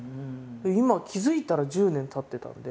今気付いたら１０年たってたんで。